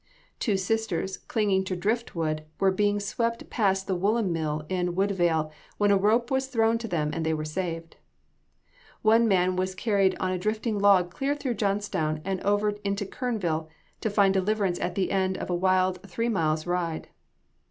Two sisters, clinging to driftwood, were being swept past the woolen mill in Woodvale, when a rope was thrown to them and they were saved. One man was carried on a drifting log clear through Johnstown and over into Kernville, to find deliverance at the end of a wild, three miles ride.